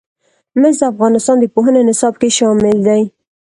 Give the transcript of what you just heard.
مس د افغانستان د پوهنې نصاب کې شامل دي.